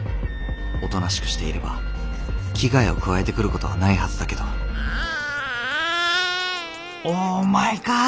おとなしくしていれば危害を加えてくることはないはずだけどオーマイガー！